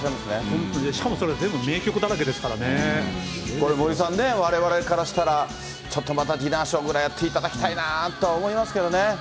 本当、しかもそれが全部名曲これ、森さんね、われわれからしたら、ちょっとまたディナーショーぐらいやっていただきたいなと思いますけどね。